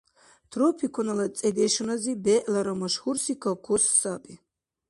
Тропикунала цӀедешуназиб бегӀлара машгьурси кокос саби.